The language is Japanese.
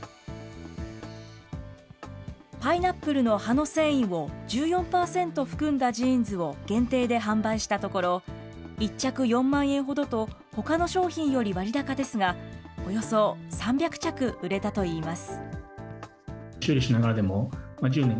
パイナップルの葉の繊維を１４％含んだジーンズを限定で販売したところ、１着４万円ほどとほかの商品より割高ですが、およそ３００着売れたといいます。